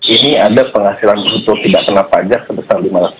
ini ada penghasilan untuk tidak kena pajak sebesar lima ratus